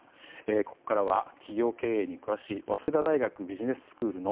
ここからは企業経営に詳しい早稲田大学ビジネススクールの